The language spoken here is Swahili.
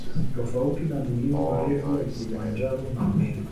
Tofauti na milima maarufu ya Kilimanjaro na Meru